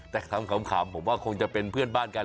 แต่คำขำผมว่าคงจะเป็นเพื่อนบ้านกัน